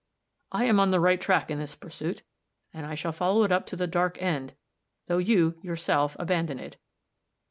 I am on the right track, in this pursuit, and I shall follow it up to the dark end, though you, yourself, abandon it.